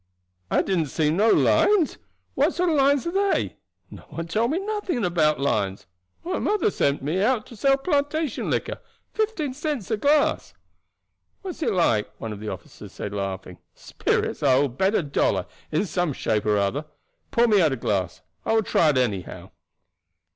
"I didn't see no lines. What sort of lines are they? No one told me nothing about lines. My mother sent me out to sell plantation liquor, fifteen cents a glass." "What's it like?" one of the officers said laughing. "Spirits, I will bet a dollar, in some shape or other. Pour me out a glass. I will try it, anyhow."